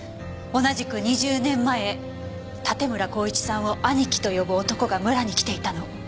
同じく２０年前盾村孝一さんを兄貴と呼ぶ男が村に来ていたの。